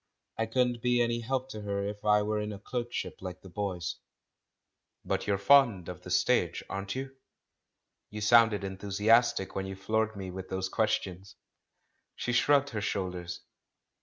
I couldn't be any help to her if I were in a clerkship like the boys. "But you're fond of the stage, aren't you? lYou sounded enthusiastic when you floored me with those questions." She slu*ugged her shoulders.